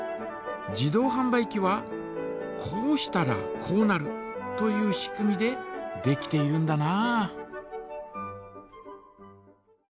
自動はん売機はこうしたらこうなるという仕組みでできているんだな。